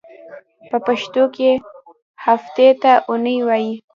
په پښتو کې هفتې ته اونۍ وایی.